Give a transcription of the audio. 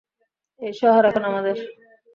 এই শহর এখন আমাদের!